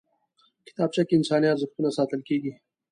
کتابچه کې انساني ارزښتونه ساتل کېږي